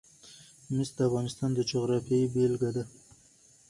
مس د افغانستان د جغرافیې بېلګه ده.